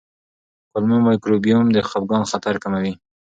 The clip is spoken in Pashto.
کولمو مایکروبیوم د خپګان خطر کموي.